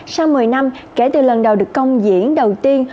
sau một mươi năm kể từ lần đầu được công diễn đầu tiên